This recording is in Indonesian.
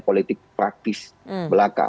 politik praktis belaka